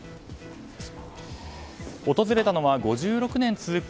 訪れたのは５６年続く